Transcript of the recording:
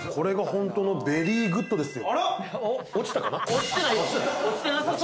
これが本当のベリーグッドですよ。